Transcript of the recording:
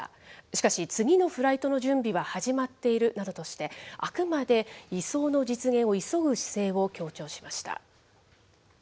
しかし、次のフライトの準備は始まっているなどとして、あくまで移送の実現を急ぐ姿勢を強調しました。